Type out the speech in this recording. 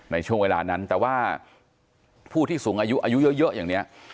ในช่วงเวลานั้นแต่ว่าผู้ที่สูงอายุอายุเยอะอย่างนี้